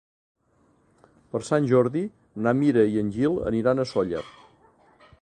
Per Sant Jordi na Mira i en Gil aniran a Sóller.